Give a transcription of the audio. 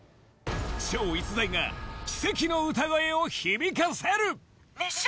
超逸材が奇跡の歌声を響かせる熱唱！